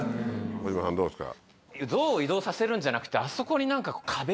小島さんどうですか？